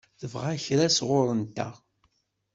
Tebɣa kra sɣur-nteɣ?